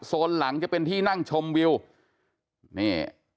โซนหลังจะเป็นที่นั่งชมวิวนี่